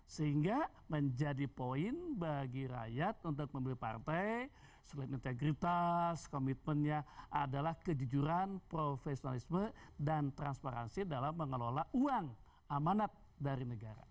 sehingga menjadi poin bagi rakyat untuk membeli partai selain integritas komitmennya adalah kejujuran profesionalisme dan transparansi dalam mengelola uang amanat dari negara